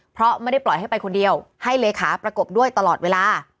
เพราะไม่ได้ปล่อยให้ไปคนเดียวให้เลขาประกบด้วยตลอดเวลา